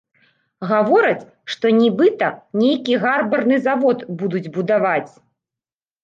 Гавораць, што нібыта нейкі гарбарны завод будуць будаваць.